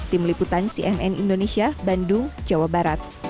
tim liputan cnn indonesia bandung jawa barat